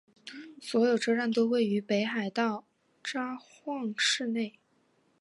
所有车站都位于北海道札幌市内。